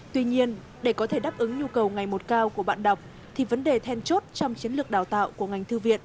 tuy nhiên để có thể đáp ứng nhu cầu ngày một cao của bạn đọc thì vấn đề then chốt trong chiến lược đào tạo của ngành thư viện